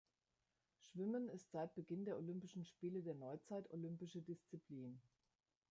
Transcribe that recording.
Schwimmen ist seit Beginn der Olympischen Spiele der Neuzeit olympische Disziplin.